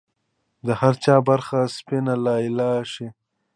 د هر چا برخه سپینه لیلا شي